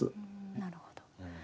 なるほど。